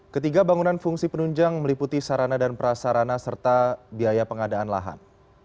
ketiga bangunan fungsi penunjang meliputi sarana dan prasarana serta biaya pengadaan lahan